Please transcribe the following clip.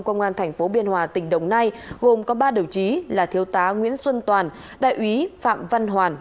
công an tp biên hòa tỉnh đồng nai gồm có ba đồng chí là thiếu tá nguyễn xuân toàn đại úy phạm văn hoàn